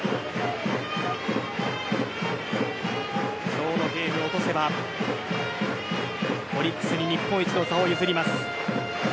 今日のゲームを落とせばオリックスに日本一の座を譲ります。